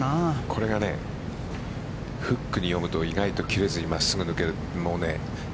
これがフックに読むと意外と切れずに真っすぐ抜ける。